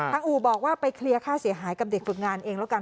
อู่บอกว่าไปเคลียร์ค่าเสียหายกับเด็กฝึกงานเองแล้วกัน